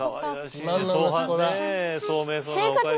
自慢の息子だ。